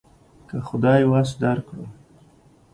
که خدای وس درکړو.